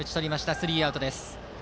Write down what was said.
スリーアウトです。